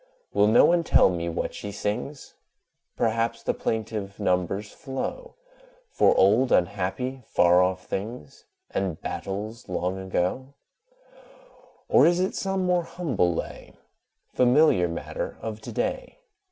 Will no one tell me what she sings? Perhaps the plaintive numbers flow For old, unhappy, far off things, And battles long ago: Or is it some more humble lay, Familiar matter of to day?